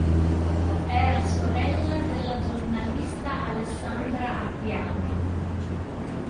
Era sorella della giornalista Alessandra Appiano.